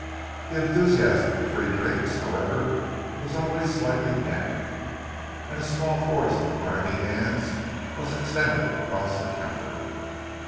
The enthusiasm for the free drinks, however, was only slightly damped, and a small forest of grimy hands was extended across the counter.